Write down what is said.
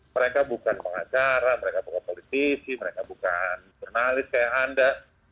mereka bukan pengacara mereka bukan politisi mereka bukan jurnalis kayak anda